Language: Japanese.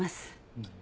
うん。